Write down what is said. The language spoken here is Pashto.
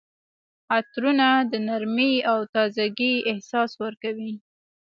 عطرونه د نرمۍ او تازګۍ احساس ورکوي.